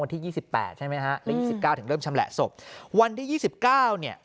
วันที่๒๘ใช่ไหมคะ๒๙ถึงเริ่มชำแหละศพวันที่๒๙เนี่ย